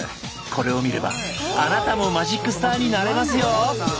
これを見ればあなたもマジックスターになれますよ！